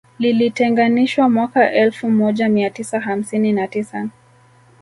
Lilitenganishwa mwaka elfu moja mia tisa hamsini na tisa